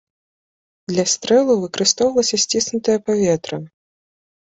Для стрэлу выкарыстоўвалася сціснутае паветра.